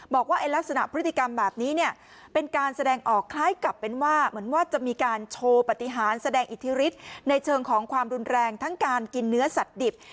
บอกว่าลักษณะพฤติกรรมแบบนี้เนี่ยเป็นการแสดงออกคล้ายกับเป็นว่าเหมือนว่าจะมีการโชว์ปฏิหารแสดงอิทธิฤทธิ์ในเชิงของความรุนแรงทั้งการกินเนื้อสัตว์ดิบ